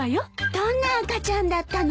どんな赤ちゃんだったの？